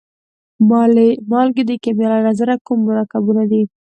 مالګې د کیمیا له نظره کوم مرکبونه دي؟